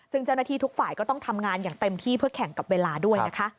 ซึ่งเจ้าหน้าที่ทุกฝ่ายก็ต้องทำงานอย่างเต็มที่เพื่อแข่งกับเวลาด้วยนะคะ